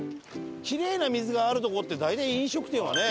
キレイな水があるとこって大体飲食店はね。